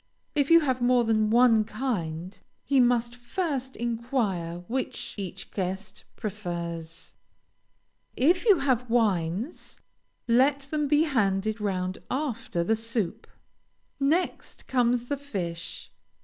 If you have more than one kind, he must first inquire which each guest prefers. If you have wines, let them be handed round after the soup. Next comes the fish.